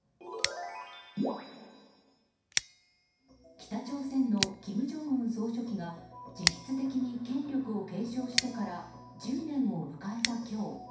北朝鮮の金正恩総書記が実質的に権力を継承してから１０年を迎えた今日